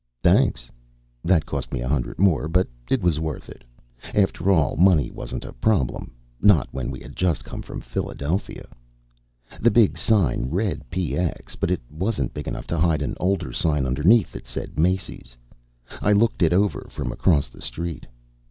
"Thanks." That cost me a hundred more, but it was worth it. After all, money wasn't a problem not when we had just come from Philadelphia. The big sign read "PX," but it wasn't big enough to hide an older sign underneath that said "Macy's." I looked it over from across the street.